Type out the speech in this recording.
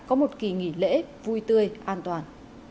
có một kỳ nghỉ lễ vui tươi an toàn